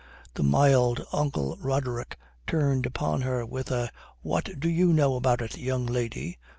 The mild Uncle Roderick turned upon her with a "What do you know about it, young lady?"